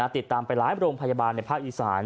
ติดตามไปหลายโรงพยาบาลในภาคอีสาน